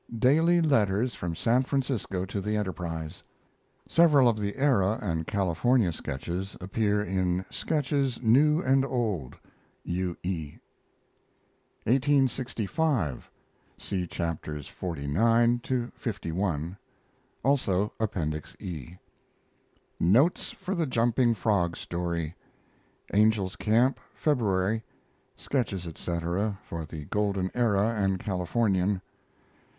Daily letters from San Francisco to the Enterprise. (Several of the Era and Californian sketches appear in SKETCHES NEW AND OLD. U. E.) 1865. (See Chapters xlix to li; also Appendix E.) Notes for the Jumping Frog story; Angel's Camp, February. Sketches etc., for the Golden Era and Californian.